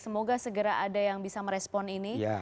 semoga segera ada yang bisa merespon ini